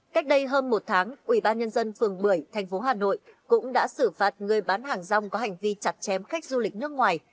cách đây hơn một tháng ủy ban nhân dân phường bưởi thành phố hà nội cũng đã xử phạt người bán hàng rong có hành vi chặt chém khách du lịch nước ngoài